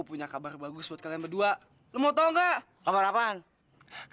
udah jangan dikituin dong bang